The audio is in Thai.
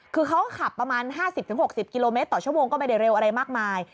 คือเขาขับประมาณ๕๐๖๐กิโลเมตรต่อชั่วโมงก็ไม่ได้เร็วอะไรมากมาย